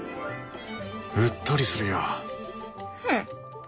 うっとりするよ。